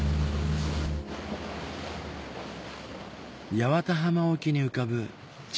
八幡浜沖に浮かぶ地